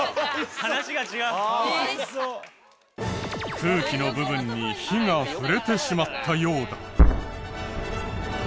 空気の部分に火が触れてしまったようだ。